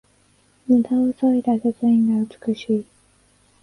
ムダをそいだデザインが美しい